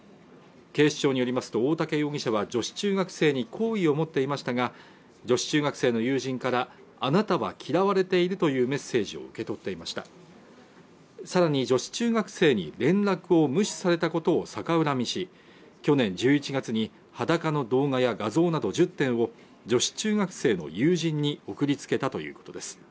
警視庁によりますと大竹容疑者は女子中学生に好意を持っていましたが女子中学生の友人からあなたは嫌われているというメッセージを受け取っていましたさらに女子中学生に連絡を無視されたことを逆恨みし去年１１月に裸の動画や画像など１０点を女子中学生の友人に送りつけたということです